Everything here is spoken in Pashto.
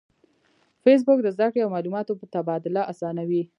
فېسبوک د زده کړې او معلوماتو تبادله آسانوي